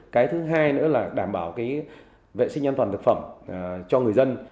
cái thứ hai nữa là đảm bảo cái vệ sinh an toàn thực phẩm cho người dân